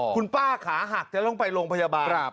คุณป้าขาหักจะต้องไปโรงพยาบาล